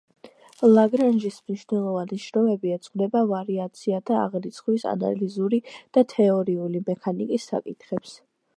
ლაგრანჟის მნიშვნელოვანი შრომები ეძღვნება ვარიაციათა აღრიცხვის, ანალიზური და თეორიული მექანიკის საკითხებს.